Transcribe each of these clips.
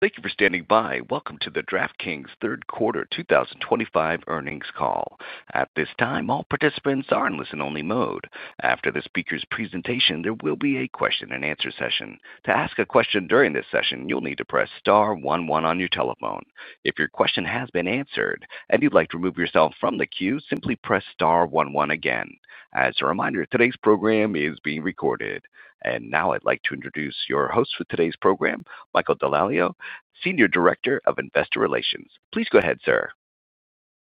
Thank you for standing by. Welcome to the DraftKings Third Quarter 2025 earnings call. At this time, all participants are in listen-only mode. After the speaker's presentation, there will be a question-and-answer session. To ask a question during this session, you'll need to press star one one on your telephone. If your question has been answered and you'd like to remove yourself from the queue, simply press star one one again. As a reminder, today's program is being recorded. Now I'd like to introduce your host for today's program, Michael DeLalio, Senior Director of Investor Relations. Please go ahead, sir.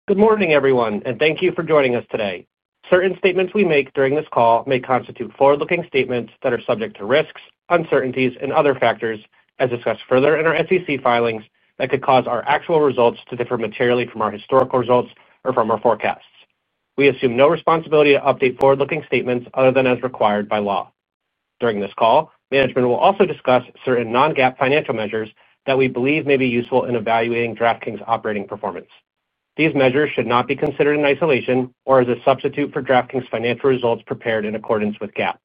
Good morning, everyone, and thank you for joining us today. Certain statements we make during this call may constitute forward-looking statements that are subject to risks, uncertainties, and other factors, as discussed further in our SEC filings, that could cause our actual results to differ materially from our historical results or from our forecasts. We assume no responsibility to update forward-looking statements other than as required by law. During this call, management will also discuss certain non-GAAP financial measures that we believe may be useful in evaluating DraftKings' operating performance. These measures should not be considered in isolation or as a substitute for DraftKings' financial results prepared in accordance with GAAP.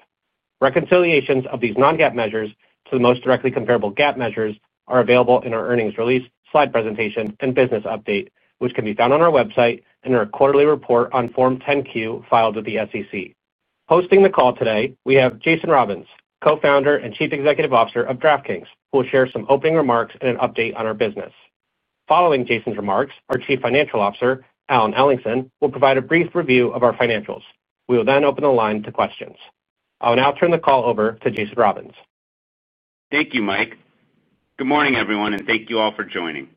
Reconciliations of these non-GAAP measures to the most directly comparable GAAP measures are available in our earnings release, slide presentation, and business update, which can be found on our website in our quarterly report on Form 10Q filed with the SEC. Hosting the call today, we have Jason Robins, Co-founder and Chief Executive Officer of DraftKings, who will share some opening remarks and an update on our business. Following Jason's remarks, our Chief Financial Officer, Alan Ellingson, will provide a brief review of our financials. We will then open the line to questions. I'll now turn the call over to Jason Robins. Thank you, Mike. Good morning, everyone, and thank you all for joining.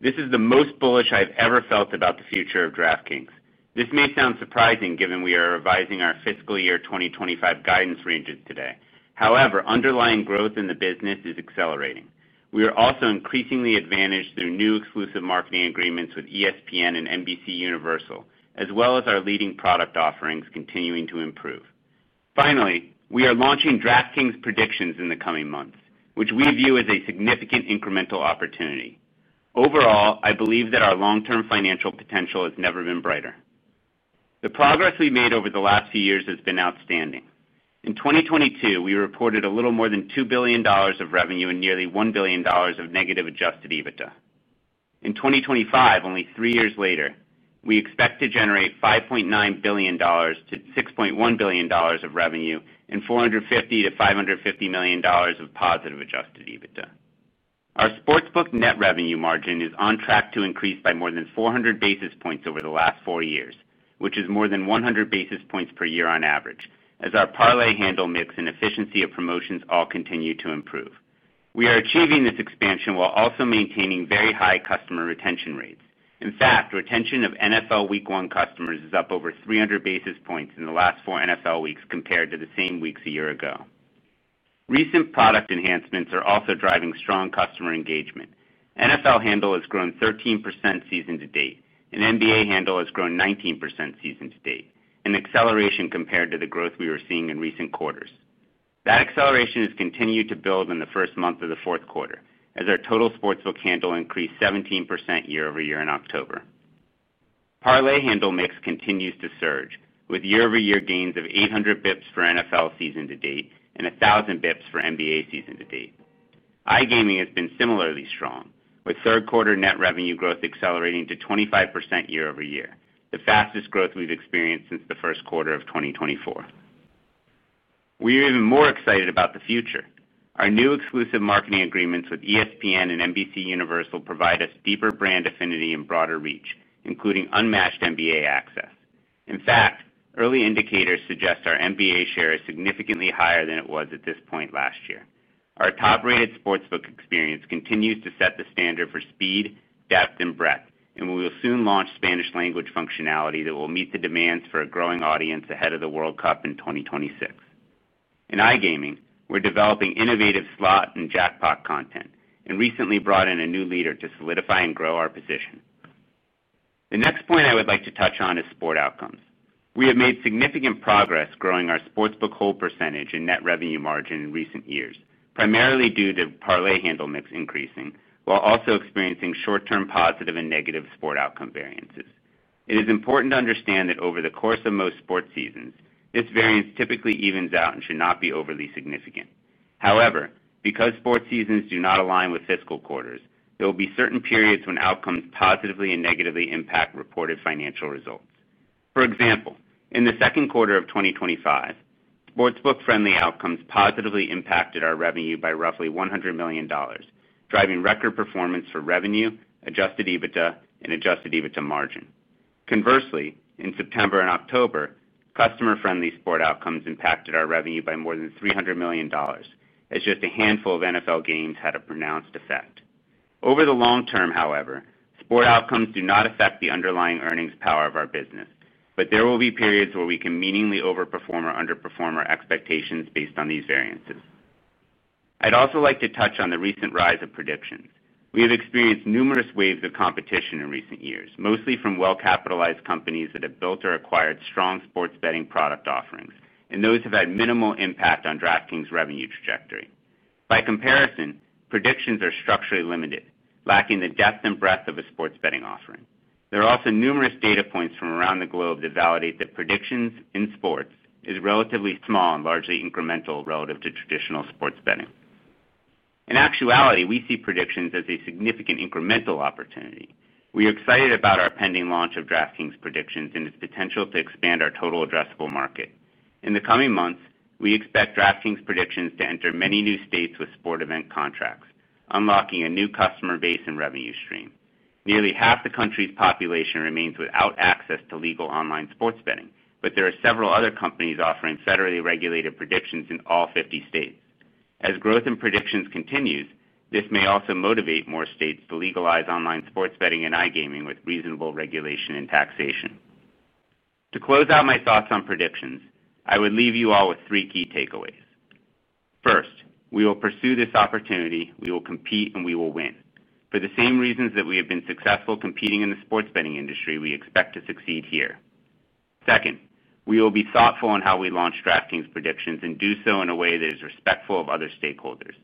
This is the most bullish I've ever felt about the future of DraftKings. This may sound surprising given we are revising our fiscal year 2025 guidance ranges today. However, underlying growth in the business is accelerating. We are also increasingly advantaged through new exclusive marketing agreements with ESPN and NBCUniversal, as well as our leading product offerings continuing to improve. Finally, we are launching DraftKings Predictions in the coming months, which we view as a significant incremental opportunity. Overall, I believe that our long-term financial potential has never been brighter. The progress we've made over the last few years has been outstanding. In 2022, we reported a little more than $2 billion of revenue and nearly $1 billion of negative Adjusted EBITDA. In 2025, only three years later, we expect to generate $5.9 billion-$6.1 billion of revenue and $450 million-$550 million of positive Adjusted EBITDA. Our Sportsbook net revenue margin is on track to increase by more than 400 basis points over the last four years, which is more than 100 basis points per year on average, as our parlay handle mix and efficiency of promotions all continue to improve. We are achieving this expansion while also maintaining very high customer retention rates. In fact, retention of NFL Week One customers is up over 300 basis points in the last four NFL weeks compared to the same weeks a year ago. Recent product enhancements are also driving strong customer engagement. NFL handle has grown 13% season-to-date, and NBA handle has grown 19% season-to-date, an acceleration compared to the growth we were seeing in recent quarters. That acceleration has continued to build in the first month of the fourth quarter, as our total Sportsbook handle increased 17% year-over-year in October. Parlay handle mix continues to surge, with year-over-year gains of 800 basis points for NFL season to date and 1,000 basis points for NBA season to date. iGaming has been similarly strong, with third-quarter net revenue growth accelerating to 25% year-over-year, the fastest growth we've experienced since the first quarter of 2024. We are even more excited about the future. Our new exclusive marketing agreements with ESPN and NBCUniversal provide us deeper brand affinity and broader reach, including unmatched NBA access. In fact, early indicators suggest our NBA share is significantly higher than it was at this point last year. Our top-rated Sportsbook experience continues to set the standard for speed, depth, and breadth, and we will soon launch Spanish-language functionality that will meet the demands for a growing audience ahead of the World Cup in 2026. In iGaming, we're developing innovative slot and jackpot content and recently brought in a new leader to solidify and grow our position. The next point I would like to touch on is sport outcomes. We have made significant progress growing our Sportsbook hold percentage and net revenue margin in recent years, primarily due to parlay handle mix increasing, while also experiencing short-term positive and negative sport outcome variances. It is important to understand that over the course of most sports seasons, this variance typically evens out and should not be overly significant. However, because sports seasons do not align with fiscal quarters, there will be certain periods when outcomes positively and negatively impact reported financial results. For example, in the second quarter of 2025, Sportsbook-friendly outcomes positively impacted our revenue by roughly $100 million, driving record performance for revenue, Adjusted EBITDA, and Adjusted EBITDA margin. Conversely, in September and October, customer-friendly sport outcomes impacted our revenue by more than $300 million, as just a handful of NFL games had a pronounced effect. Over the long term, however, sport outcomes do not affect the underlying earnings power of our business, but there will be periods where we can meaningfully overperform or underperform our expectations based on these variances. I'd also like to touch on the recent rise of predictions. We have experienced numerous waves of competition in recent years, mostly from well-capitalized companies that have built or acquired strong sports betting product offerings, and those have had minimal impact on DraftKings' revenue trajectory. By comparison, predictions are structurally limited, lacking the depth and breadth of a sports betting offering. There are also numerous data points from around the globe that validate that predictions in sports are relatively small and largely incremental relative to traditional sports betting. In actuality, we see predictions as a significant incremental opportunity. We are excited about our pending launch of DraftKings Predictions and its potential to expand our total addressable market. In the coming months, we expect DraftKings Predictions to enter many new states with sport event contracts, unlocking a new customer base and revenue stream. Nearly half the country's population remains without access to legal online sports betting, but there are several other companies offering federally regulated predictions in all 50 states. As growth in predictions continues, this may also motivate more states to legalize online sports betting and iGaming with reasonable regulation and taxation. To close out my thoughts on predictions, I would leave you all with three key takeaways. First, we will pursue this opportunity, we will compete, and we will win. For the same reasons that we have been successful competing in the sports betting industry, we expect to succeed here. Second, we will be thoughtful in how we launch DraftKings Predictions and do so in a way that is respectful of other stakeholders.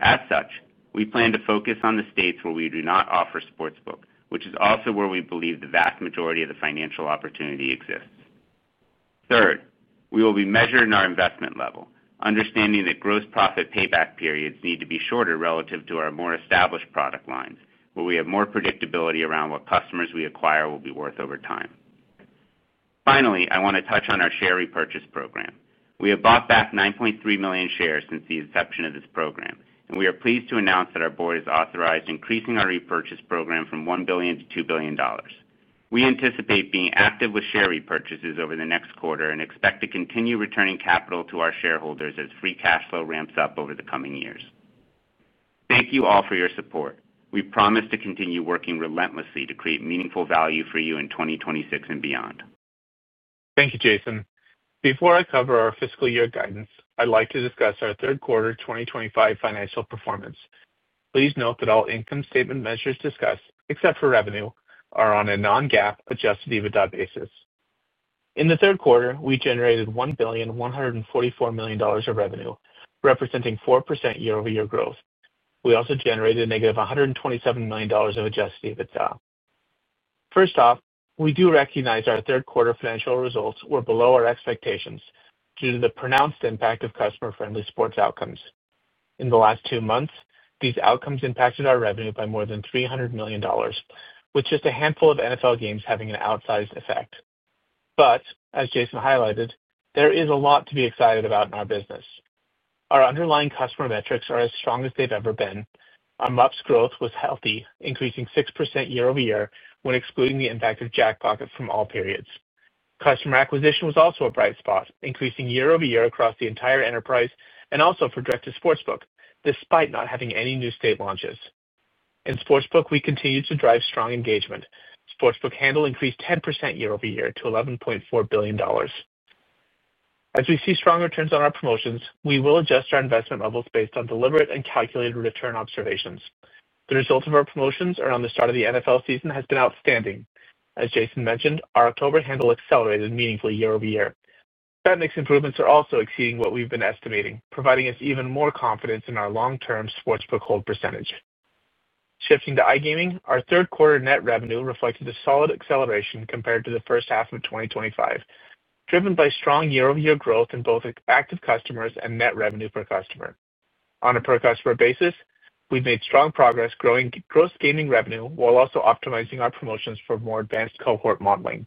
As such, we plan to focus on the states where we do not offer Sportsbooks, which is also where we believe the vast majority of the financial opportunity exists. Third, we will be measured in our investment level, understanding that gross profit payback periods need to be shorter relative to our more established product lines, where we have more predictability around what customers we acquire will be worth over time. Finally, I want to touch on our share repurchase program. We have bought back 9.3 million shares since the inception of this program, and we are pleased to announce that our board has authorized increasing our repurchase program from $1 billion to $2 billion. We anticipate being active with share repurchases over the next quarter and expect to continue returning capital to our shareholders as Free Cash Flow ramps up over the coming years. Thank you all for your support. We promise to continue working relentlessly to create meaningful value for you in 2026 and beyond. Thank you, Jason. Before I cover our fiscal year guidance, I'd like to discuss our third quarter 2025 financial performance. Please note that all income statement measures discussed, except for revenue, are on a non-GAAP Adjusted EBITDA basis. In the third quarter, we generated $1,144 million of revenue, representing 4% year-over-year growth. We also generated -$127 million of Adjusted EBITDA. First off, we do recognize our third quarter financial results were below our expectations due to the pronounced impact of customer-friendly sports outcomes. In the last two months, these outcomes impacted our revenue by more than $300 million, with just a handful of NFL games having an outsized effect. As Jason highlighted, there is a lot to be excited about in our business. Our underlying customer metrics are as strong as they've ever been. Our MUPS growth was healthy, increasing 6% year-over-year when excluding the impact of jackpot from all periods. Customer acquisition was also a bright spot, increasing year-over-year across the entire enterprise and also for direct to Sportsbook, despite not having any new state launches. In Sportsbook, we continue to drive strong engagement. Sportsbook handle increased 10% year-over-year to $11.4 billion. As we see strong returns on our promotions, we will adjust our investment levels based on deliberate and calculated return observations. The results of our promotions around the start of the NFL season have been outstanding. As Jason mentioned, our October handle accelerated meaningfully year-over-year. That makes improvements are also exceeding what we've been estimating, providing us even more confidence in our long-term Sportsbook hold percentage. Shifting to iGaming, our third quarter net revenue reflected a solid acceleration compared to the first half of 2025, driven by strong year-over-year growth in both active customers and net revenue per customer. On a per-customer basis, we've made strong progress growing gross gaming revenue while also optimizing our promotions for more advanced cohort modeling.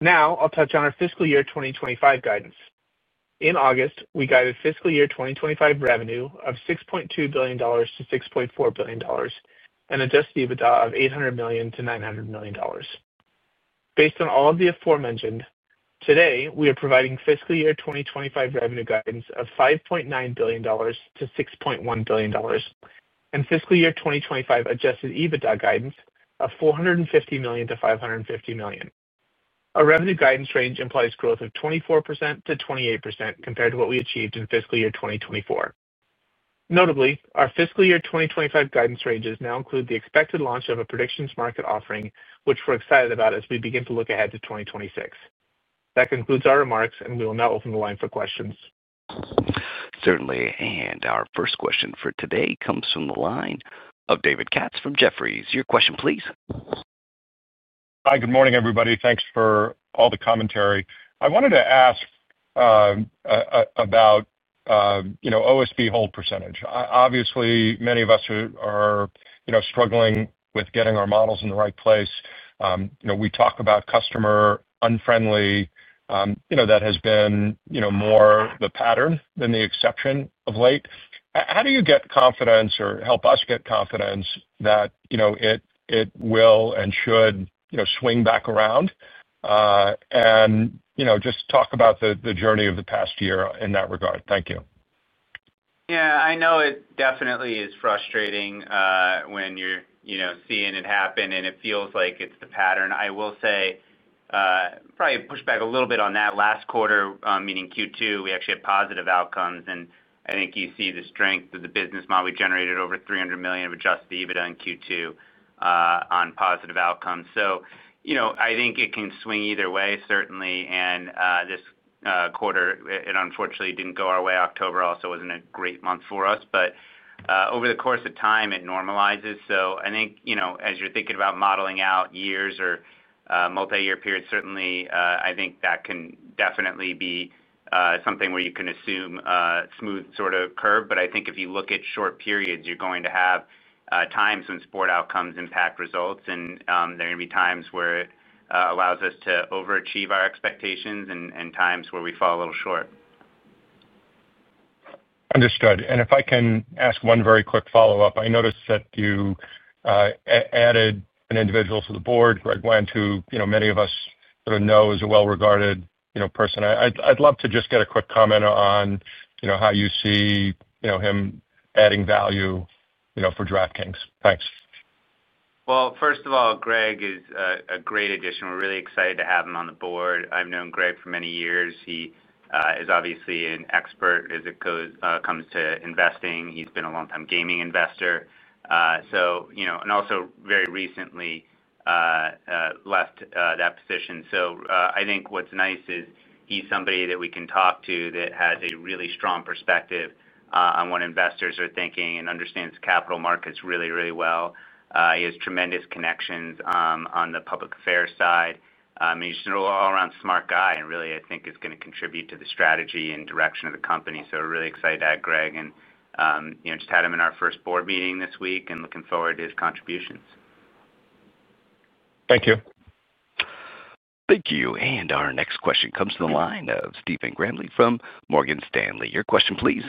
Now, I'll touch on our fiscal year 2025 guidance. In August, we guided fiscal year 2025 revenue of $6.2 billion-$6.4 billion and Adjusted EBITDA of $800 million-$900 million. Based on all of the aforementioned, today, we are providing fiscal year 2025 revenue guidance of $5.9 billion-$6.1 billion and fiscal year 2025 Adjusted EBITDA guidance of $450 million-$550 million. Our revenue guidance range implies growth of 24%-28% compared to what we achieved in fiscal year 2024. Notably, our fiscal year 2025 guidance ranges now include the expected launch of a predictions market offering, which we're excited about as we begin to look ahead to 2026. That concludes our remarks, and we will now open the line for questions. Certainly, and our first question for today comes from the line of David Katz from Jefferies. Your question, please. Hi, good morning, everybody. Thanks for all the commentary. I wanted to ask about OSB hold percentage. Obviously, many of us are struggling with getting our models in the right place. We talk about customer unfriendly. That has been more the pattern than the exception of late. How do you get confidence or help us get confidence that it will and should swing back around? Just talk about the journey of the past year in that regard. Thank you. Yeah, I know it definitely is frustrating when you're seeing it happen, and it feels like it's the pattern. I will say, probably push back a little bit on that. Last quarter, meaning Q2, we actually had positive outcomes, and I think you see the strength of the business model. We generated over $300 million of Adjusted EBITDA in Q2 on positive outcomes. I think it can swing either way, certainly, and this quarter, it unfortunately didn't go our way. October also wasn't a great month for us, but over the course of time, it normalizes. I think as you're thinking about modeling out years or multi-year periods, certainly, I think that can definitely be something where you can assume a smooth sort of curve. I think if you look at short periods, you're going to have times when sport outcomes impact results, and there are going to be times where it allows us to overachieve our expectations and times where we fall a little short. Understood. If I can ask one very quick follow-up, I noticed that you added an individual to the board, Greg Wendt, who many of us sort of know as a well-regarded person. I'd love to just get a quick comment on how you see him adding value for DraftKings. Thanks. First of all, Greg is a great addition. We're really excited to have him on the board. I've known Greg for many years. He is obviously an expert as it comes to investing. He's been a long-time gaming investor. Also, very recently left that position. I think what's nice is he's somebody that we can talk to that has a really strong perspective on what investors are thinking and understands capital markets really, really well. He has tremendous connections on the public affairs side. He's an all-around smart guy and really, I think, is going to contribute to the strategy and direction of the company. We're really excited to add Greg and just had him in our first board meeting this week and looking forward to his contributions. Thank you. Thank you. Our next question comes from the line of Stephen Grambling from Morgan Stanley. Your question, please.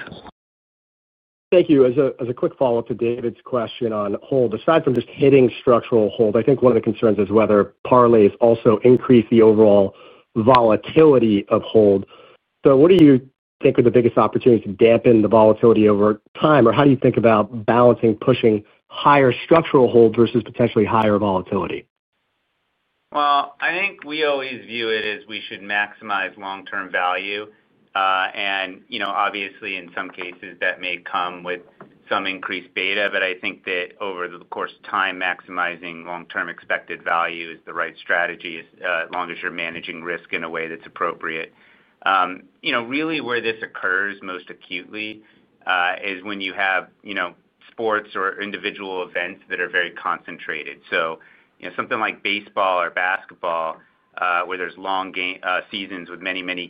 Thank you. As a quick follow-up to David's question on hold, aside from just hitting structural hold, I think one of the concerns is whether Parlay is also increasing the overall volatility of hold. What do you think are the biggest opportunities to dampen the volatility over time, or how do you think about balancing pushing higher structural hold versus potentially higher volatility? I think we always view it as we should maximize long-term value. And obviously, in some cases, that may come with some increased beta, but I think that over the course of time, maximizing long-term expected value is the right strategy as long as you're managing risk in a way that's appropriate. Really, where this occurs most acutely is when you have sports or individual events that are very concentrated. Something like baseball or basketball, where there's long seasons with many, many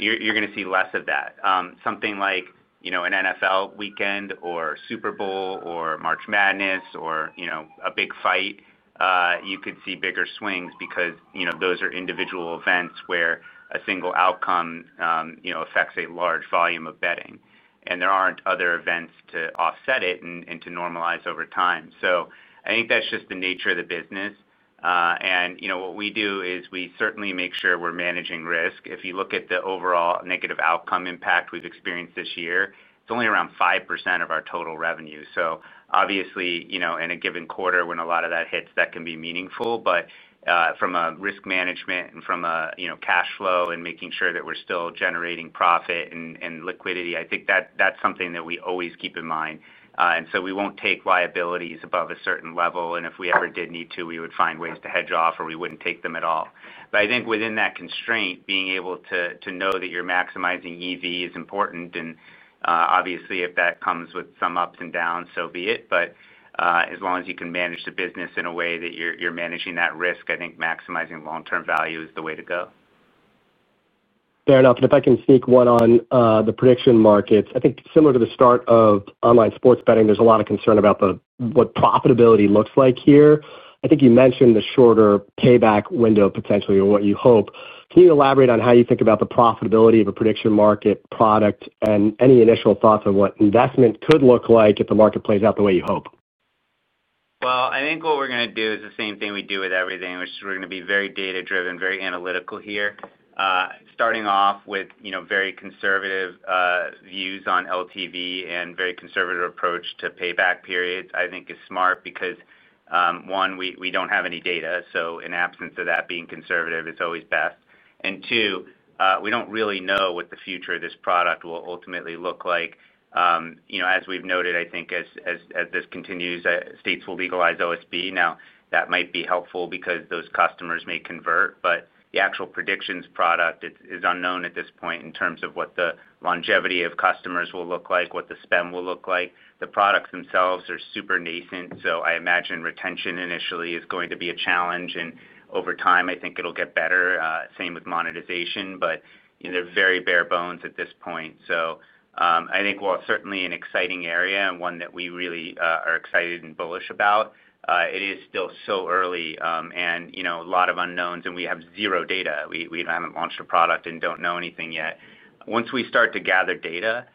games, you're going to see less of that. Something like an NFL Weekend or Super Bowl or March Madness or a big fight, you could see bigger swings because those are individual events where a single outcome affects a large volume of betting. There aren't other events to offset it and to normalize over time. I think that's just the nature of the business. What we do is we certainly make sure we're managing risk. If you look at the overall negative outcome impact we've experienced this year, it's only around 5% of our total revenue. Obviously, in a given quarter, when a lot of that hits, that can be meaningful. From a risk management and from a cash flow and making sure that we're still generating profit and liquidity, I think that's something that we always keep in mind. We won't take liabilities above a certain level. If we ever did need to, we would find ways to hedge off or we wouldn't take them at all. I think within that constraint, being able to know that you're maximizing EV is important. Obviously, if that comes with some ups and downs, so be it. As long as you can manage the business in a way that you're managing that risk, I think maximizing long-term value is the way to go. Fair enough. If I can sneak one on the prediction markets, I think similar to the start of online sports betting, there's a lot of concern about what profitability looks like here. I think you mentioned the shorter payback window potentially or what you hope. Can you elaborate on how you think about the profitability of a prediction market product and any initial thoughts on what investment could look like if the market plays out the way you hope? I think what we're going to do is the same thing we do with everything, which is we're going to be very data-driven, very analytical here. Starting off with very conservative views on LTV and a very conservative approach to payback periods, I think, is smart because, one, we don't have any data. In absence of that, being conservative is always best. Two, we don't really know what the future of this product will ultimately look like. As we've noted, I think as this continues, states will legalize OSB. That might be helpful because those customers may convert. The actual predictions product is unknown at this point in terms of what the longevity of customers will look like, what the spend will look like. The products themselves are super nascent, so I imagine retention initially is going to be a challenge. Over time, I think it'll get better. Same with monetization, but they're very bare bones at this point. I think, while certainly an exciting area and one that we really are excited and bullish about, it is still so early and a lot of unknowns, and we have zero data. We haven't launched a product and don't know anything yet. Once we start to gather data,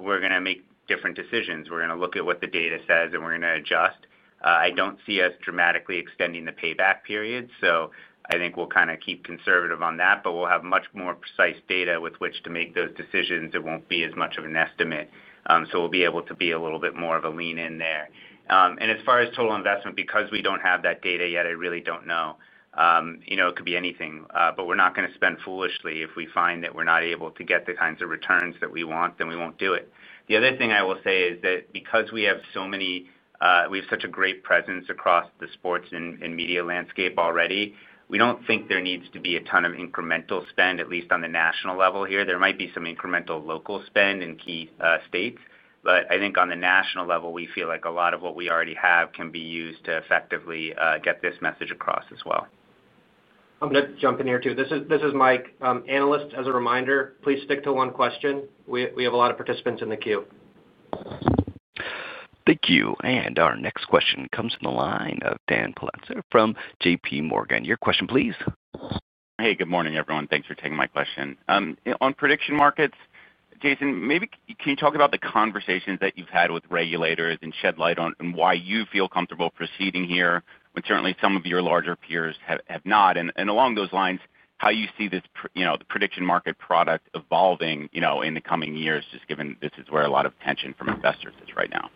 we're going to make different decisions. We're going to look at what the data says, and we're going to adjust. I don't see us dramatically extending the payback period, so I think we'll kind of keep conservative on that, but we'll have much more precise data with which to make those decisions. It won't be as much of an estimate. We'll be able to be a little bit more of a lean-in there. As far as total investment, because we do not have that data yet, I really do not know. It could be anything, but we are not going to spend foolishly. If we find that we are not able to get the kinds of returns that we want, then we will not do it. The other thing I will say is that because we have so many—we have such a great presence across the sports and media landscape already, we do not think there needs to be a ton of incremental spend, at least on the national level here. There might be some incremental local spend in key states, but I think on the national level, we feel like a lot of what we already have can be used to effectively get this message across as well. I'm going to jump in here too. This is Mike. Analyst, as a reminder, please stick to one question. We have a lot of participants in the queue. Thank you. Our next question comes from the line of Dan Politzer from JPMorgan. Your question, please. Hey, good morning, everyone. Thanks for taking my question. On prediction markets, Jason, maybe can you talk about the conversations that you've had with regulators and shed light on why you feel comfortable proceeding here when certainly some of your larger peers have not? Along those lines, how you see the prediction market product evolving in the coming years, just given this is where a lot of tension from investors is right now.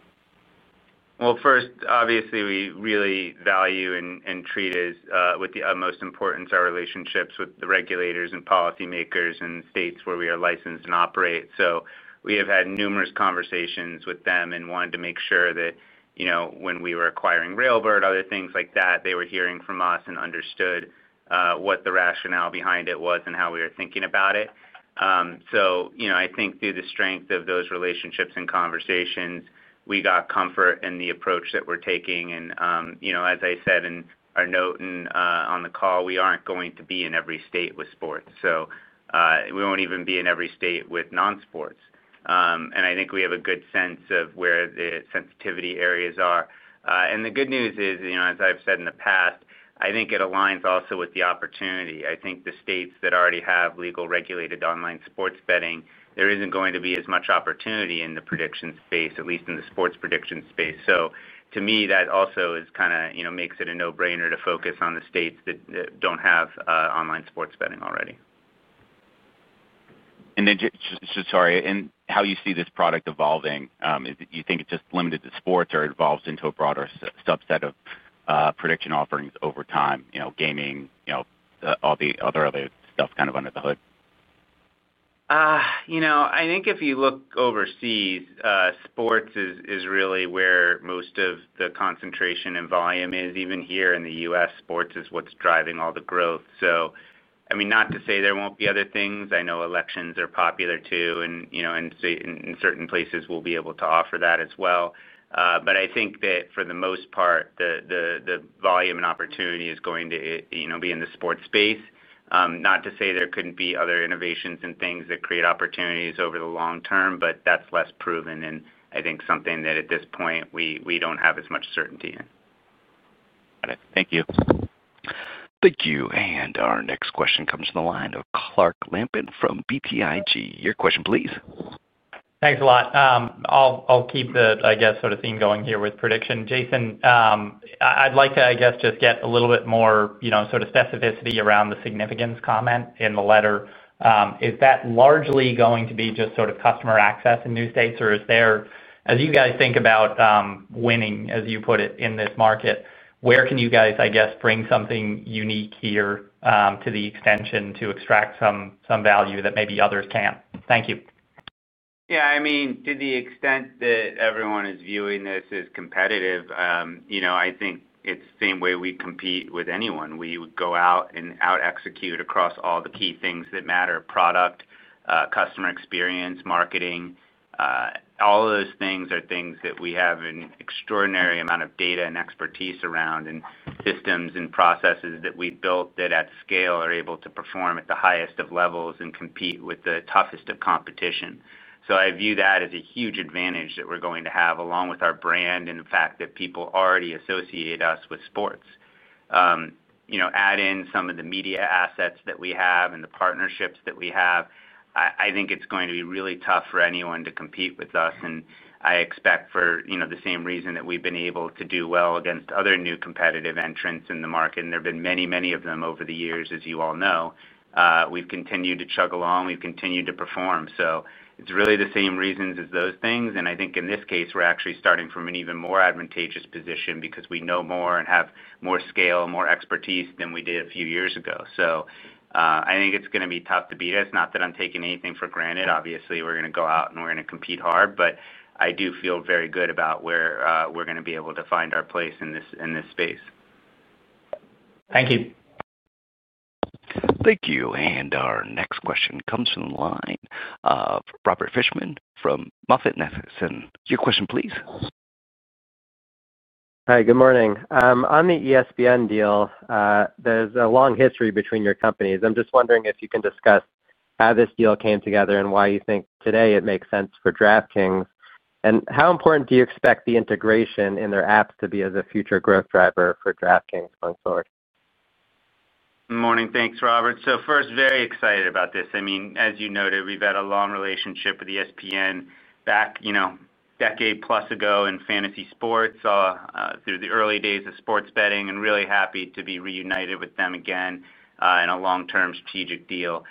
Obviously, we really value and treat as with the utmost importance our relationships with the regulators and policymakers in states where we are licensed and operate. We have had numerous conversations with them and wanted to make sure that when we were acquiring Railbird, other things like that, they were hearing from us and understood what the rationale behind it was and how we were thinking about it. I think through the strength of those relationships and conversations, we got comfort in the approach that we are taking. As I said in our note on the call, we are not going to be in every state with sports. We will not even be in every state with non-sports. I think we have a good sense of where the sensitivity areas are. The good news is, as I've said in the past, I think it aligns also with the opportunity. I think the states that already have legal regulated online sports betting, there is not going to be as much opportunity in the prediction space, at least in the sports prediction space. To me, that also kind of makes it a no-brainer to focus on the states that do not have online sports betting already. Just sorry, and how you see this product evolving. Do you think it's just limited to sports or evolves into a broader subset of prediction offerings over time, gaming, all the other stuff kind of under the hood? I think if you look overseas, sports is really where most of the concentration and volume is. Even here in the U.S., sports is what's driving all the growth. I mean, not to say there won't be other things. I know elections are popular too, and in certain places, we'll be able to offer that as well. I think that for the most part, the volume and opportunity is going to be in the sports space. Not to say there couldn't be other innovations and things that create opportunities over the long term, but that's less proven and I think something that at this point, we don't have as much certainty in. Got it. Thank you. Thank you. Our next question comes from the line of Clark Lampen from BTIG. Your question, please. Thanks a lot. I'll keep the, I guess, sort of theme going here with prediction. Jason, I'd like to, I guess, just get a little bit more sort of specificity around the significance comment in the letter. Is that largely going to be just sort of customer access in new states, or is there—as you guys think about winning, as you put it, in this market, where can you guys, I guess, bring something unique here to the extension to extract some value that maybe others can't? Thank you. Yeah. I mean, to the extent that everyone is viewing this as competitive, I think it's the same way we compete with anyone. We would go out and out-execute across all the key things that matter: product, customer experience, marketing. All of those things are things that we have an extraordinary amount of data and expertise around and systems and processes that we've built that at scale are able to perform at the highest of levels and compete with the toughest of competition. I view that as a huge advantage that we're going to have along with our brand and the fact that people already associate us with sports. Add in some of the media assets that we have and the partnerships that we have. I think it's going to be really tough for anyone to compete with us. I expect for the same reason that we've been able to do well against other new competitive entrants in the market, and there have been many, many of them over the years, as you all know, we've continued to chug along, we've continued to perform. It is really the same reasons as those things. I think in this case, we're actually starting from an even more advantageous position because we know more and have more scale, more expertise than we did a few years ago. I think it's going to be tough to beat us. Not that I'm taking anything for granted. Obviously, we're going to go out and we're going to compete hard, but I do feel very good about where we're going to be able to find our place in this space. Thank you. Thank you. Our next question comes from the line of Robert Fishman from MoffettNathanson. Your question, please. Hi. Good morning. On the ESPN deal, there's a long history between your companies. I'm just wondering if you can discuss how this deal came together and why you think today it makes sense for DraftKings. How important do you expect the integration in their apps to be as a future growth driver for DraftKings going forward? Morning. Thanks, Robert. First, very excited about this. I mean, as you noted, we've had a long relationship with ESPN back a decade-plus ago in fantasy sports, through the early days of sports betting, and really happy to be reunited with them again in a long-term strategic deal.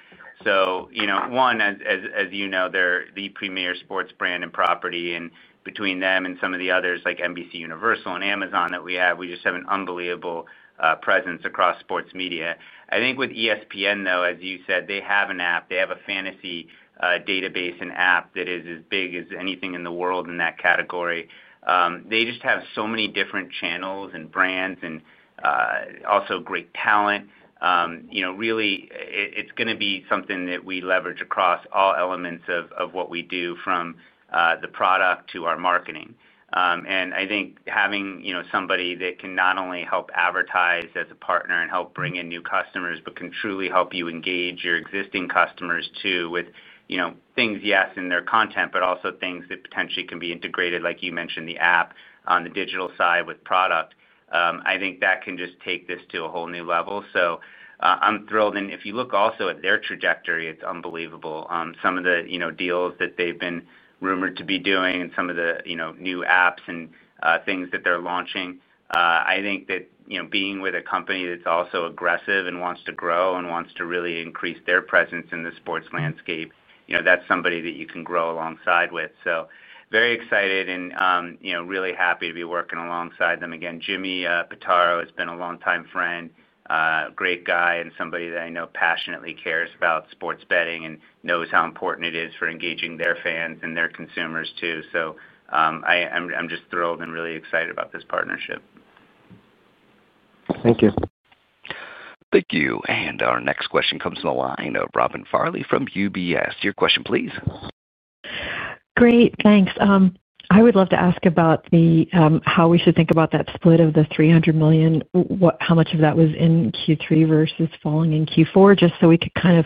One, as you know, they're the premier sports brand and property. Between them and some of the others like NBCUniversal and Amazon that we have, we just have an unbelievable presence across sports media. I think with ESPN, though, as you said, they have an app. They have a fantasy database and app that is as big as anything in the world in that category. They just have so many different channels and brands and also great talent. Really, it's going to be something that we leverage across all elements of what we do, from the product to our marketing. I think having somebody that can not only help advertise as a partner and help bring in new customers, but can truly help you engage your existing customers too with things, yes, in their content, but also things that potentially can be integrated, like you mentioned, the app on the digital side with product. I think that can just take this to a whole new level. I'm thrilled. If you look also at their trajectory, it's unbelievable. Some of the deals that they've been rumored to be doing and some of the new apps and things that they're launching, I think that being with a company that's also aggressive and wants to grow and wants to really increase their presence in the sports landscape, that's somebody that you can grow alongside with. Very excited and really happy to be working alongside them again. Jimmy Pataro has been a longtime friend, great guy, and somebody that I know passionately cares about sports betting and knows how important it is for engaging their fans and their consumers too. I'm just thrilled and really excited about this partnership. Thank you. Thank you. Our next question comes from the line of Robin Farley from UBS. Your question, please. Great. Thanks. I would love to ask about how we should think about that split of the $300 million, how much of that was in Q3 versus falling in Q4, just so we could kind of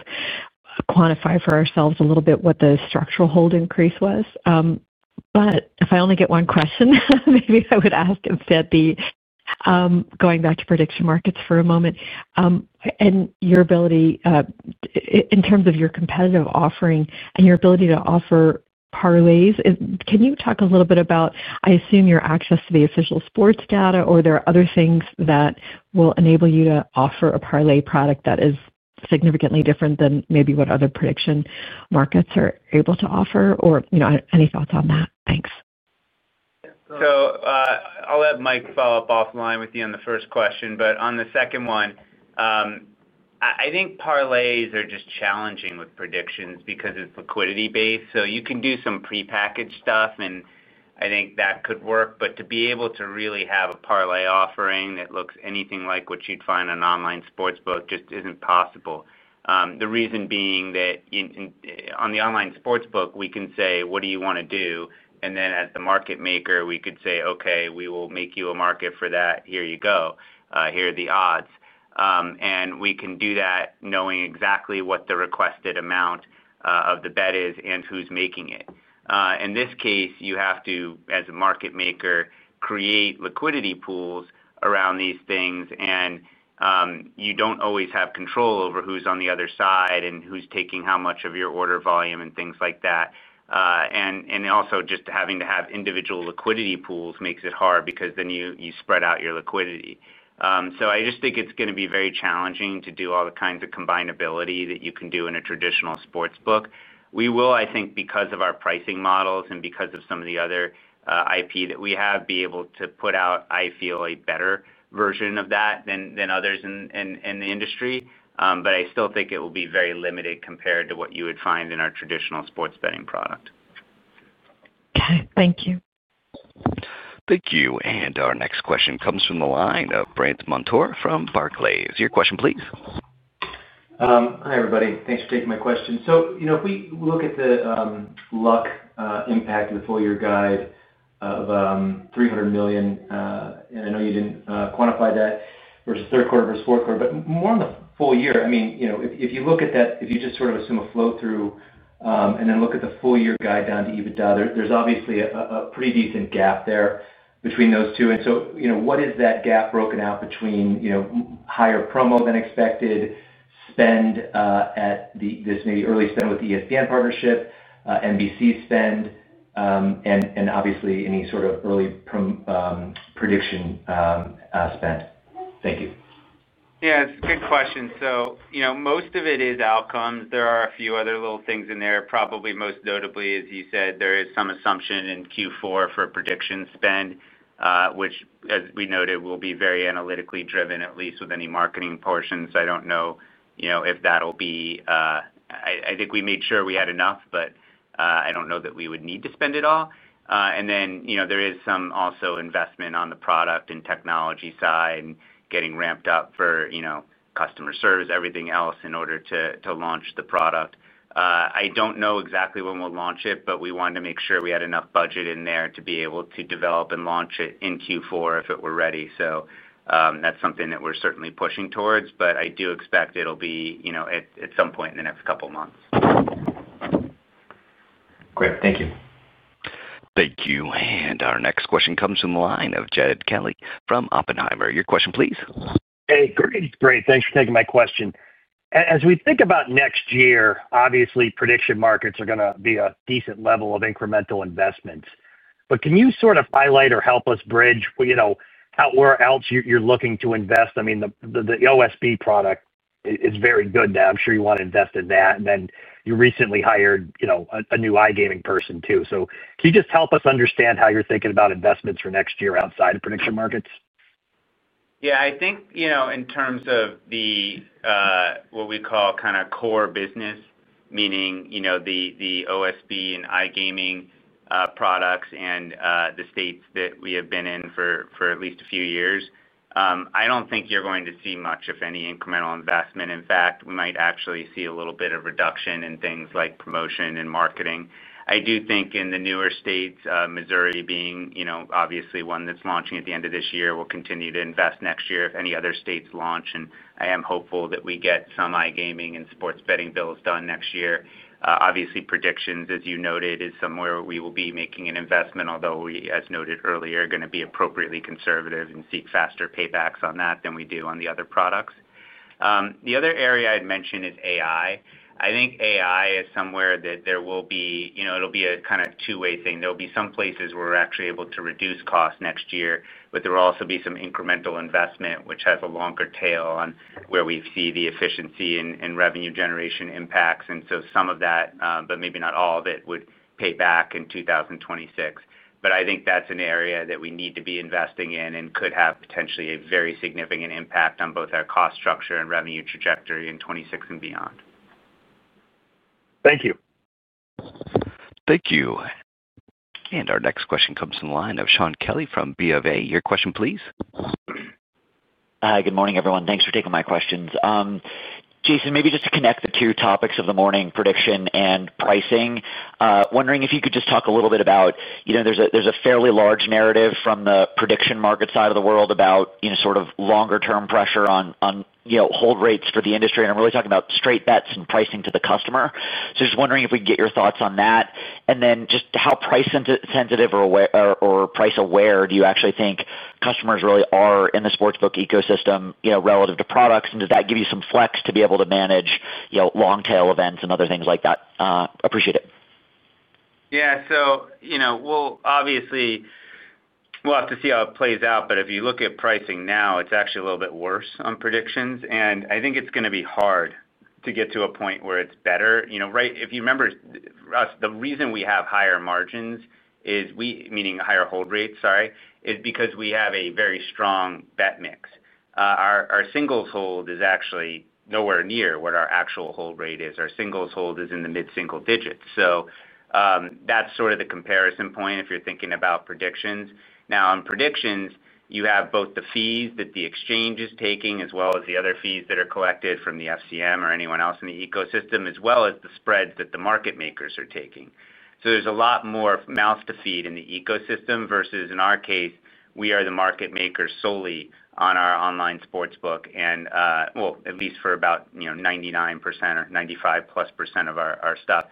quantify for ourselves a little bit what the structural hold increase was. If I only get one question, maybe I would ask instead, going back to prediction markets for a moment and your ability in terms of your competitive offering and your ability to offer parlays, can you talk a little bit about, I assume, your access to the official sports data, or are there other things that will enable you to offer a parlay product that is significantly different than maybe what other prediction markets are able to offer? Any thoughts on that? Thanks. I'll let Mike follow up offline with you on the first question. On the second one, I think parlays are just challenging with predictions because it's liquidity-based. You can do some prepackaged stuff, and I think that could work. To be able to really have a parlay offering that looks anything like what you'd find on an online sports book just isn't possible. The reason being that on the online sports book, we can say, "What do you want to do?" Then as the market maker, we could say, "Okay, we will make you a market for that. Here you go. Here are the odds." We can do that knowing exactly what the requested amount of the bet is and who's making it. In this case, you have to, as a market maker, create liquidity pools around these things, and you do not always have control over who is on the other side and who is taking how much of your order volume and things like that. Also, just having to have individual liquidity pools makes it hard because then you spread out your liquidity. I just think it is going to be very challenging to do all the kinds of combinability that you can do in a traditional Sportsbook. We will, I think, because of our pricing models and because of some of the other IP that we have, be able to put out, I feel, a better version of that than others in the industry. I still think it will be very limited compared to what you would find in our traditional sports betting product. Thank you. Thank you. Our next question comes from the line of Brandt Montour from Barclays. Your question, please. Hi, everybody. Thanks for taking my question. If we look at the luck impact of the full-year guide of $300 million, and I know you did not quantify that versus third quarter versus fourth quarter, but more in the full year, I mean, if you look at that, if you just sort of assume a flow-through and then look at the full-year guide down to EBITDA, there is obviously a pretty decent gap there between those two. What is that gap broken out between higher promo than expected, spend at this maybe early spend with the ESPN partnership, NBC spend, and obviously any sort of early prediction spend? Thank you. Yeah. It's a good question. Most of it is outcomes. There are a few other little things in there. Probably most notably, as you said, there is some assumption in Q4 for prediction spend, which, as we noted, will be very analytically driven, at least with any marketing portions. I don't know if that'll be—I think we made sure we had enough, but I don't know that we would need to spend it all. There is also some investment on the product and technology side, getting ramped up for customer service, everything else in order to launch the product. I don't know exactly when we'll launch it, but we wanted to make sure we had enough budget in there to be able to develop and launch it in Q4 if it were ready. That's something that we're certainly pushing towards. I do expect it'll be at some point in the next couple of months. Great. Thank you. Thank you. Our next question comes from the line of Jed Kelly from Oppenheimer. Your question, please. Hey. Great. Thanks for taking my question. As we think about next year, obviously, prediction markets are going to be a decent level of incremental investments. But can you sort of highlight or help us bridge where else you're looking to invest? I mean, the OSB product is very good now. I'm sure you want to invest in that. And then you recently hired a new iGaming person too. So can you just help us understand how you're thinking about investments for next year outside of prediction markets? Yeah. I think in terms of what we call kind of core business, meaning the OSB and iGaming products and the states that we have been in for at least a few years, I do not think you are going to see much, if any, incremental investment. In fact, we might actually see a little bit of reduction in things like promotion and marketing. I do think in the newer states, Missouri being obviously one that is launching at the end of this year, we will continue to invest next year if any other states launch. I am hopeful that we get some iGaming and sports betting bills done next year. Obviously, predictions, as you noted, is somewhere we will be making an investment, although we, as noted earlier, are going to be appropriately conservative and seek faster paybacks on that than we do on the other products. The other area I'd mention is AI. I think AI is somewhere that there will be—it'll be a kind of two-way thing. There'll be some places where we're actually able to reduce costs next year, but there will also be some incremental investment, which has a longer tail on where we see the efficiency and revenue generation impacts. Some of that, but maybe not all of it, would pay back in 2026. I think that's an area that we need to be investing in and could have potentially a very significant impact on both our cost structure and revenue trajectory in 2026 and beyond. Thank you. Thank you. Our next question comes from the line of Sean Kelly from BofA. Your question, please. Hi. Good morning, everyone. Thanks for taking my questions. Jason, maybe just to connect the two topics of the morning: prediction and pricing. Wondering if you could just talk a little bit about—there's a fairly large narrative from the prediction market side of the world about sort of longer-term pressure on hold rates for the industry. I'm really talking about straight bets and pricing to the customer. Just wondering if we could get your thoughts on that. Then just how price-sensitive or price-aware do you actually think customers really are in the sports book ecosystem relative to products? Does that give you some flex to be able to manage long-tail events and other things like that? Appreciate it. Yeah. So obviously, we'll have to see how it plays out. If you look at pricing now, it's actually a little bit worse on predictions. I think it's going to be hard to get to a point where it's better. If you remember, the reason we have higher margins, meaning higher hold rates, sorry, is because we have a very strong bet mix. Our singles hold is actually nowhere near what our actual hold rate is. Our singles hold is in the mid-single digits. That's sort of the comparison point if you're thinking about predictions. Now, on predictions, you have both the fees that the exchange is taking as well as the other fees that are collected from the FCM or anyone else in the ecosystem, as well as the spreads that the market makers are taking. There is a lot more mouth to feed in the ecosystem versus, in our case, we are the market maker solely on our online Sportsbook, at least for about 99% or 95+% of our stuff.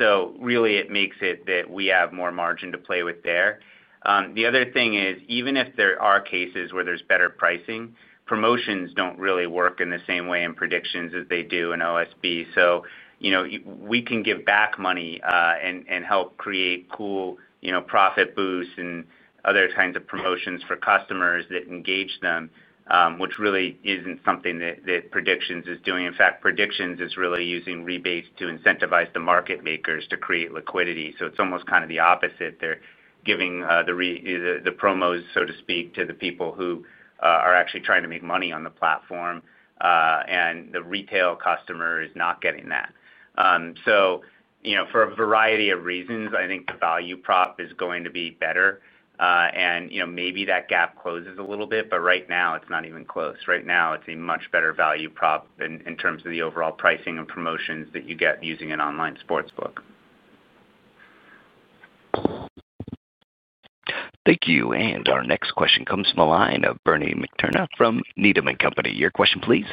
It makes it that we have more margin to play with there. The other thing is, even if there are cases where there is better pricing, promotions do not really work in the same way in predictions as they do in OSB. We can give back money and help create cool profit boosts and other kinds of promotions for customers that engage them, which really is not something that predictions is doing. In fact, predictions is really using rebates to incentivize the market makers to create liquidity. It is almost kind of the opposite. They're giving the promos, so to speak, to the people who are actually trying to make money on the platform, and the retail customer is not getting that. For a variety of reasons, I think the value prop is going to be better. Maybe that gap closes a little bit, but right now, it's not even close. Right now, it's a much better value prop in terms of the overall pricing and promotions that you get using an online sports book. Thank you. Our next question comes from the line of Bernie McTernan from Needham & Company. Your question, please.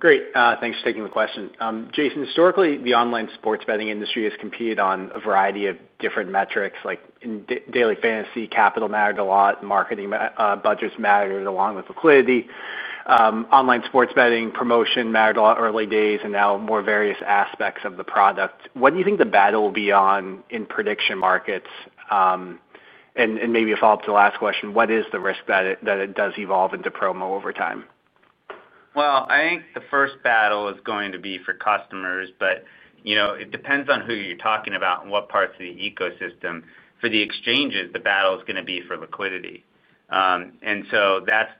Great. Thanks for taking the question. Jason, historically, the online sports betting industry has competed on a variety of different metrics, like daily fantasy. Capital mattered a lot. Marketing budgets mattered along with liquidity. Online sports betting promotion mattered a lot early days and now more various aspects of the product. What do you think the battle will be on in prediction markets? Maybe a follow-up to the last question, what is the risk that it does evolve into promo over time? I think the first battle is going to be for customers, but it depends on who you're talking about and what parts of the ecosystem. For the exchanges, the battle is going to be for liquidity. That's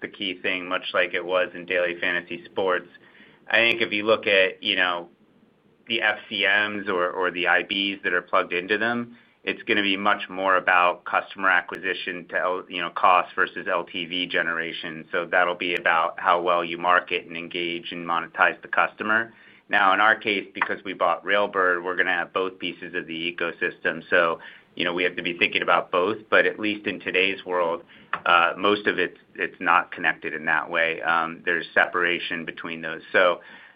the key thing, much like it was in daily fantasy sports. I think if you look at the FCMs or the IBs that are plugged into them, it's going to be much more about customer acquisition to cost versus LTV generation. That'll be about how well you market and engage and monetize the customer. Now, in our case, because we bought Railbird, we're going to have both pieces of the ecosystem. We have to be thinking about both. At least in today's world, most of it's not connected in that way. There's separation between those.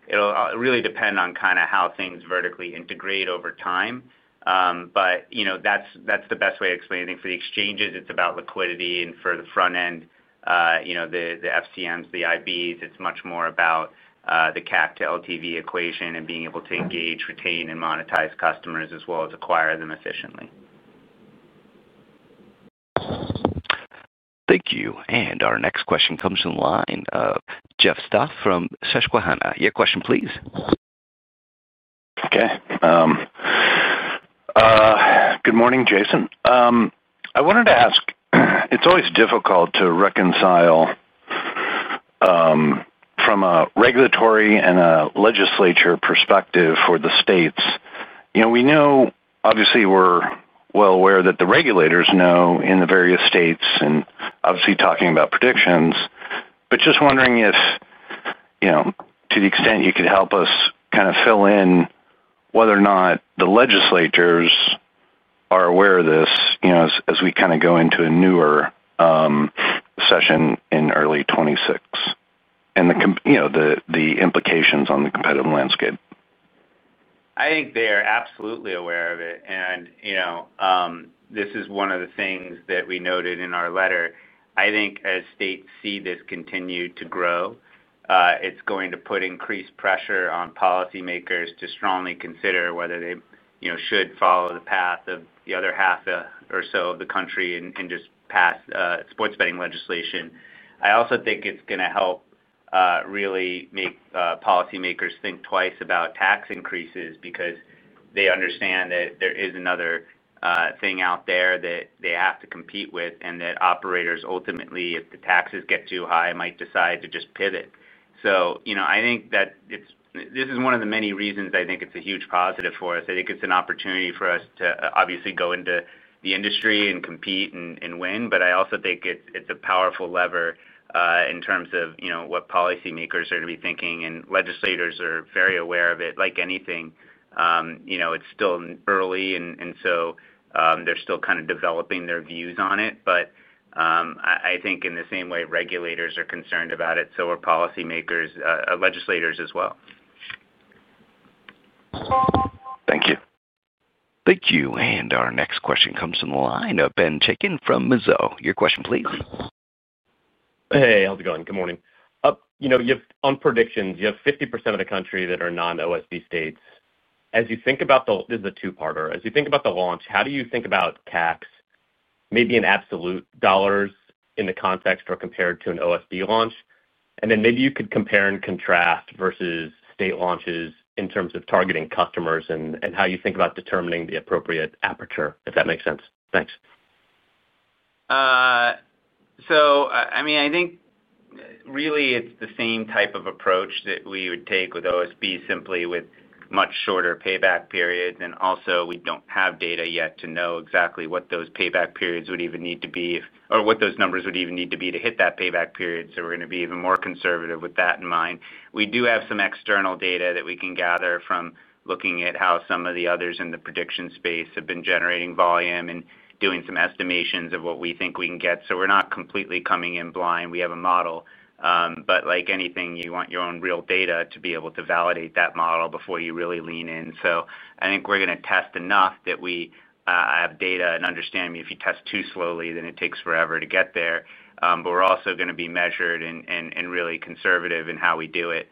It'll really depend on kind of how things vertically integrate over time. That's the best way to explain it. I think for the exchanges, it's about liquidity. For the front end, the FCMs, the IBs, it's much more about the cap to LTV equation and being able to engage, retain, and monetize customers as well as acquire them efficiently. Thank you. Our next question comes from the line of Joe Stauff from Susquehanna. Your question, please. Okay. Good morning, Jason. I wanted to ask, it's always difficult to reconcile from a regulatory and a legislature perspective for the states. We know, obviously, we're well aware that the regulators know in the various states and obviously talking about predictions. Just wondering if, to the extent you could help us kind of fill in whether or not the legislators are aware of this as we kind of go into a newer session in early 2026 and the implications on the competitive landscape. I think they are absolutely aware of it. This is one of the things that we noted in our letter. I think as states see this continue to grow, it's going to put increased pressure on policymakers to strongly consider whether they should follow the path of the other half or so of the country and just pass sports betting legislation. I also think it's going to help really make policymakers think twice about tax increases because they understand that there is another thing out there that they have to compete with and that operators, ultimately, if the taxes get too high, might decide to just pivot. I think that this is one of the many reasons I think it's a huge positive for us. I think it's an opportunity for us to obviously go into the industry and compete and win. I also think it's a powerful lever in terms of what policymakers are going to be thinking. Legislators are very aware of it. Like anything, it's still early. They're still kind of developing their views on it. I think in the same way, regulators are concerned about it, so are policymakers, legislators as well. Thank you. Thank you. Our next question comes from the line of Ben Chaiken from Mizuho. Your question, please. Hey. How's it going? Good morning. On predictions, you have 50% of the country that are non-OSB states. As you think about the—this is a two-parter—as you think about the launch, how do you think about caps, maybe in absolute dollars in the context or compared to an OSB launch? Then maybe you could compare and contrast versus state launches in terms of targeting customers and how you think about determining the appropriate aperture, if that makes sense. Thanks. I mean, I think really it's the same type of approach that we would take with OSB, simply with much shorter payback periods. Also, we don't have data yet to know exactly what those payback periods would even need to be or what those numbers would even need to be to hit that payback period. We're going to be even more conservative with that in mind. We do have some external data that we can gather from looking at how some of the others in the prediction space have been generating volume and doing some estimations of what we think we can get. We're not completely coming in blind. We have a model. Like anything, you want your own real data to be able to validate that model before you really lean in. I think we're going to test enough that we have data and understand. If you test too slowly, then it takes forever to get there. We're also going to be measured and really conservative in how we do it.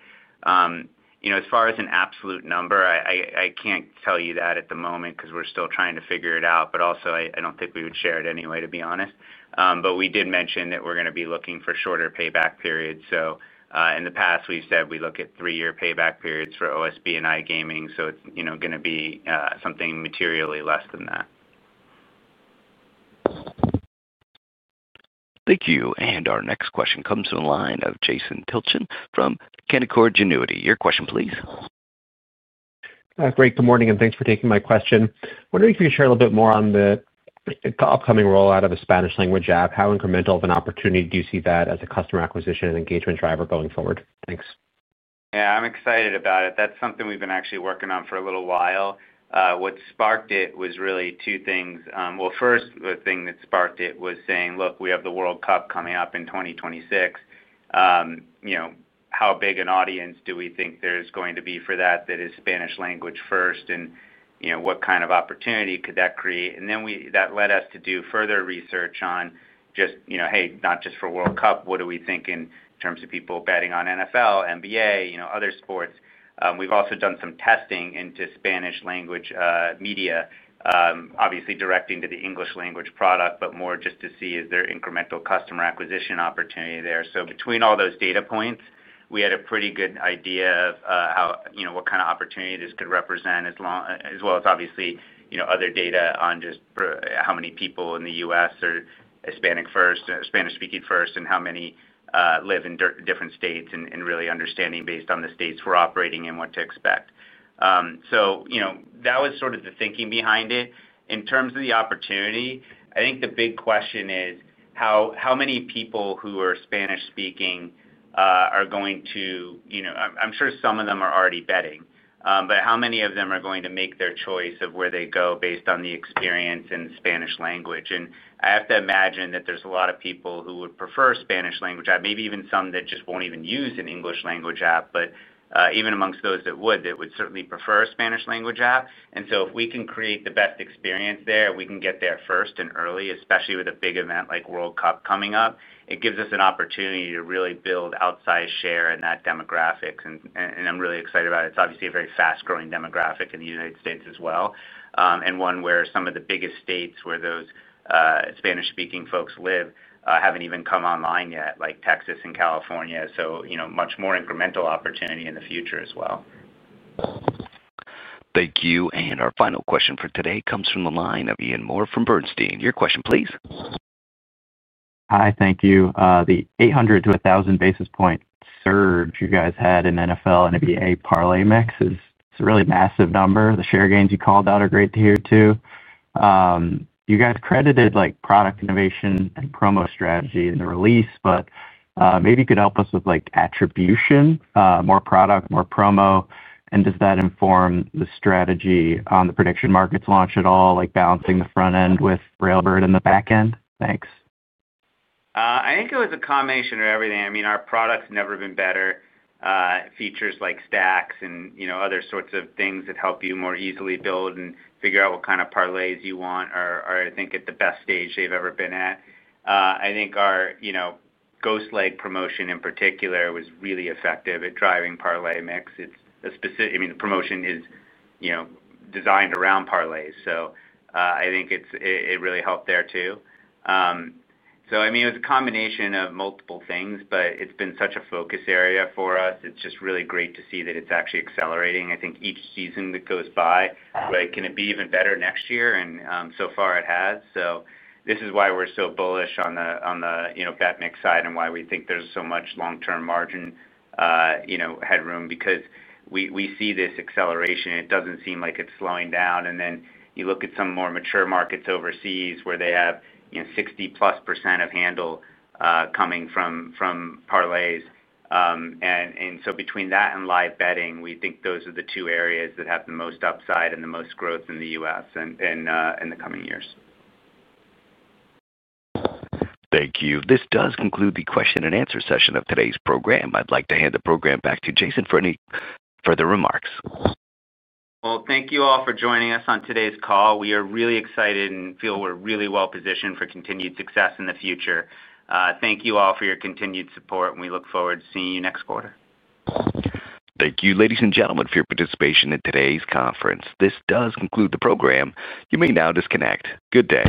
As far as an absolute number, I can't tell you that at the moment because we're still trying to figure it out. I don't think we would share it anyway, to be honest. We did mention that we're going to be looking for shorter payback periods. In the past, we've said we look at three-year payback periods for OSB and iGaming. It's going to be something materially less than that. Thank you. Our next question comes from the line of Jason Tilchen from Canaccord Genuity. Your question, please. Great. Good morning, and thanks for taking my question. Wondering if you could share a little bit more on the upcoming rollout of a Spanish-language app. How incremental of an opportunity do you see that as a customer acquisition and engagement driver going forward? Thanks. Yeah. I'm excited about it. That's something we've been actually working on for a little while. What sparked it was really two things. First, the thing that sparked it was saying, "Look, we have the World Cup coming up in 2026. How big an audience do we think there's going to be for that that is Spanish-language first? And what kind of opportunity could that create?" That led us to do further research on just, "Hey, not just for World Cup. What do we think in terms of people betting on NFL, NBA, other sports?" We've also done some testing into Spanish-language media, obviously directing to the English-language product, but more just to see is there incremental customer acquisition opportunity there. Between all those data points, we had a pretty good idea of what kind of opportunity this could represent, as well as obviously other data on just how many people in the U.S. are Hispanic first or Spanish-speaking first and how many live in different states and really understanding based on the states we're operating in what to expect. That was sort of the thinking behind it. In terms of the opportunity, I think the big question is how many people who are Spanish-speaking are going to—I'm sure some of them are already betting. How many of them are going to make their choice of where they go based on the experience in Spanish language? I have to imagine that there's a lot of people who would prefer a Spanish-language app, maybe even some that just won't even use an English-language app. Even amongst those that would certainly prefer a Spanish-language app. If we can create the best experience there, we can get there first and early, especially with a big event like World Cup coming up. It gives us an opportunity to really build outsized share in that demographic. I'm really excited about it. It's obviously a very fast-growing demographic in the United States as well, and one where some of the biggest states where those Spanish-speaking folks live haven't even come online yet, like Texas and California. Much more incremental opportunity in the future as well. Thank you. Our final question for today comes from the line of Ian Moore from Bernstein. Your question, please. Hi. Thank you. The 800-1,000 basis point surge you guys had in NFL and NBA parlay mix is a really massive number. The share gains you called out are great to hear too. You guys credited product innovation and promo strategy in the release, but maybe you could help us with attribution, more product, more promo. Does that inform the strategy on the prediction markets launch at all, balancing the front end with Railbird and the back end? Thanks. I think it was a combination of everything. I mean, our product's never been better. Features like stacks and other sorts of things that help you more easily build and figure out what kind of parlays you want are, I think, at the best stage they've ever been at. I think our ghost leg promotion in particular was really effective at driving parlay mix. I mean, the promotion is designed around parlays. I think it really helped there too. I mean, it was a combination of multiple things, but it's been such a focus area for us. It's just really great to see that it's actually accelerating. I think each season that goes by, can it be even better next year? And so far, it has. This is why we're so bullish on the bet mix side and why we think there's so much long-term margin headroom because we see this acceleration. It doesn't seem like it's slowing down. You look at some more mature markets overseas where they have 60%+ of handle coming from parlays. Between that and live betting, we think those are the two areas that have the most upside and the most growth in the U.S. in the coming years. Thank you. This does conclude the question-and-answer session of today's program. I'd like to hand the program back to Jason for any further remarks. Thank you all for joining us on today's call. We are really excited and feel we're really well-positioned for continued success in the future. Thank you all for your continued support, and we look forward to seeing you next quarter. Thank you, ladies and gentlemen, for your participation in today's conference. This does conclude the program. You may now disconnect. Good day.